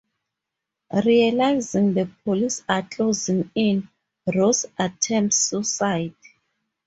Realizing the police are closing in, Rose attempts suicide.